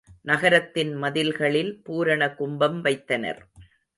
நகரத்தின் மதில்களில் பூரண கும்பம் வைத்தனர்.